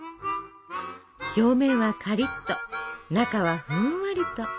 表面はカリッと中はふんわりと。